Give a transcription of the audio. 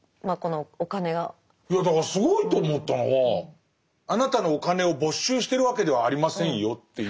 いやだからすごいと思ったのは「あなたのお金を没収してるわけではありませんよ」っていう。